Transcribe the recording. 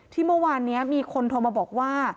ที่เมื่อวานนี้มีคนโทรมาบอกว่า